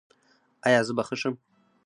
ایا زه به ښه شم؟